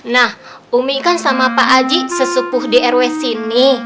nah umi kan sama pakcik sesepuh drw sini